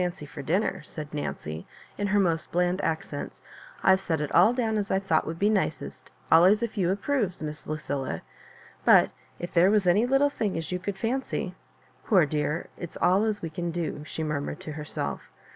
41 fiincy for dinner,'* said Nancj, in her most bland acoenta; "Tve set it all down as I thought would be nicest, allays if you approves, Miss Lucilla; but if there was any little thing as, you could fency "" Poor dear, it's all as we can do," she murmured to herself.